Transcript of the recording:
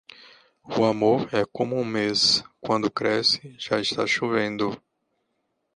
O amor é como um mês; quando cresce, já está chovendo.